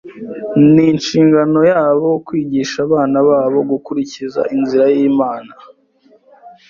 Ni inshingano yabo kwigisha abana babo gukurikiza inzira y’Imana